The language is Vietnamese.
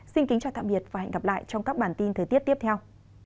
xin kính chào tạm biệt và hẹn gặp lại trong các bản tin thời tiết tiếp theo